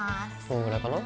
このぐらいかな？